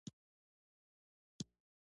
د شیام حکومت محدوده اقتصادي وده ښيي.